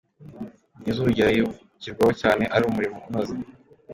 Nizurugero yibukirwaho cyane ari umurimo unoze.